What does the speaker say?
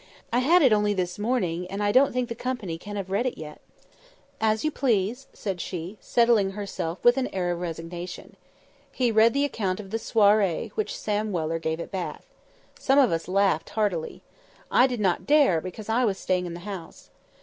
"I had it only this morning, and I don't think the company can have read it yet." "As you please," said she, settling herself with an air of resignation. He read the account of the "swarry" which Sam Weller gave at Bath. Some of us laughed heartily. I did not dare, because I was staying in the house.